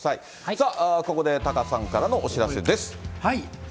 さあ、ここでタカさんからのお知らせです。